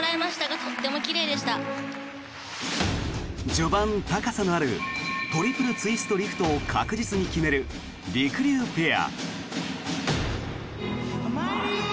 序盤、高さのあるトリプルツイストリフトを確実に決めるりくりゅうペア。